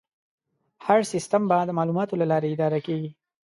هر سیستم به د معلوماتو له لارې اداره کېږي.